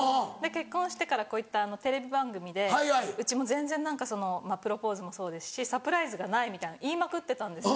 結婚してからこういったテレビ番組でうちも全然何かそのプロポーズもそうですしサプライズがないみたいな言いまくってたんですよ。